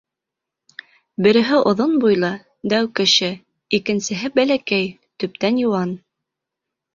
Береһе оҙон буйлы, дәү кеше, икенсеһе — бәләкәй, төптән йыуан.